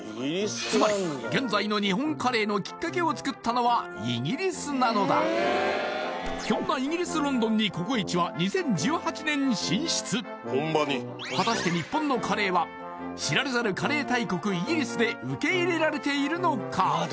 つまり現在の日本カレーのきっかけを作ったのはイギリスなのだそんなイギリス・ロンドンにココイチは２０１８年に進出果たして日本のカレーは知られざるカレー大国イギリスで受け入れられているのか？